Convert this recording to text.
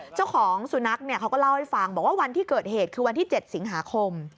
เจ้าของสุนัขเขาก็เล่าให้ฟังบอกว่าวันที่เกิดเหตุคือวันที่๗สิงหาคม